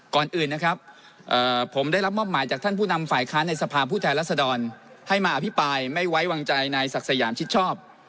ก่อนอื่นนะครับผมได้รับมอบหมายจากท่านผู้นำฝ่ายค้านในสภาพผู้แทนรัศดรให้มาอภิปรายไม่ไว้วางใจนายศักดิ์สยามชิดชอบ